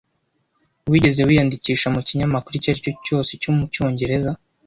Wigeze wiyandikisha mu kinyamakuru icyo ari cyo cyose cyo mu Cyongereza?